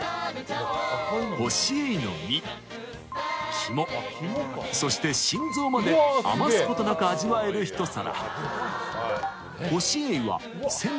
ホシエイの身、肝、そして心臓まで余すことなく味わえる一皿。